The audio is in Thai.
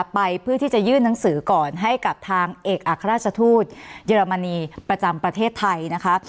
ไปเพื่อที่จะยื่นหนังสือก่อนให้กับทางเอกอัครราชทูตเยอรมนีประจำประเทศไทยนะคะ